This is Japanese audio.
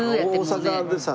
大阪でさ。